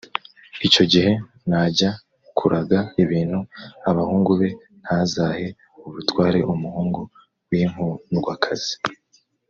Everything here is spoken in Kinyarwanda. icyo gihe najya kuraga ibintu abahungu be, ntazahe ubutware umuhungu w’inkundwakazi